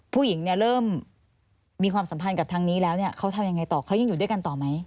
ผู้หญิงเนี่ยเริ่มมีความสัมพันธ์กับทางนี้แล้วเนี่ยเขาทำยังไงต่อเขายังอยู่ด้วยกันต่อไหม